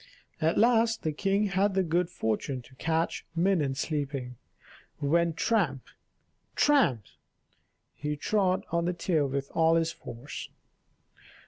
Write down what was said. At last the king had the good fortune to catch Minon sleeping, when tramp, tramp! he trod on the tail with all his force.